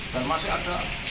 dan masih ada